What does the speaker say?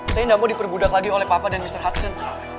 saya tidak mau diperbudak lagi oleh papa dan mr haction